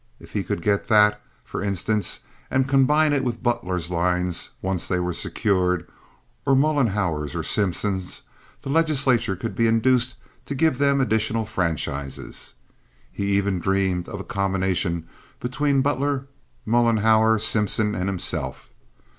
If he could get that, for instance, and combine it with Butler's lines, once they were secured—or Mollenhauer's, or Simpson's, the legislature could be induced to give them additional franchises. He even dreamed of a combination between Butler, Mollenhauer, Simpson, and himself.